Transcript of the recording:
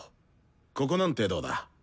ここなんてどうだ？